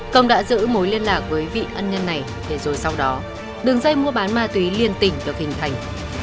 công đã giữ mối liên lạc với vị ân nhân này để rồi sau đó đường dây mua bán ma túy liên tỉnh được hình thành